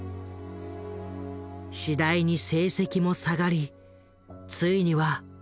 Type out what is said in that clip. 次第に成績も下がりついには落第した。